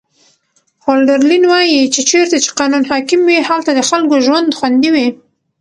هولډرلین وایي چې چیرته چې قانون حاکم وي هلته د خلکو ژوند خوندي وي.